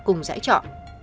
cùng giải trọ